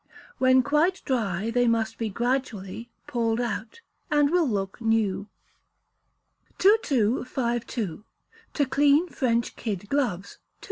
When quite dry, they must be gradually "pulled out," and will look new. 2252. To Clean French Kid Gloves (2).